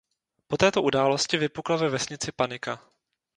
Po této události vypukla ve vesnici panika.